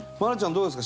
どうですか？